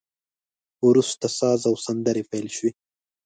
وروسته ساز او سندري پیل شوې.